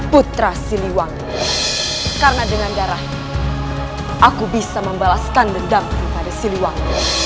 putra siliwang karena dengan darah aku bisa membalaskan dendam kepada siliwang